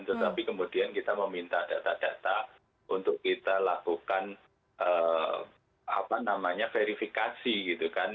tetapi kemudian kita meminta data data untuk kita lakukan verifikasi gitu kan